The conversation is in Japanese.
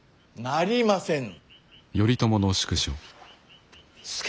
なりませぬ。